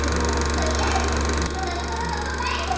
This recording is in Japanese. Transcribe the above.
とりあえず今のところのこたえなら。